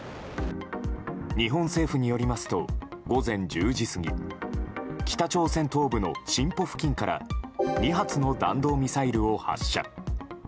日本政府によりますと午前１０時過ぎ北朝鮮東部のシンポ付近から２発の弾道ミサイルを発射。